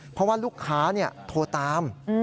เพราะว่าลูกค้าโทรตาม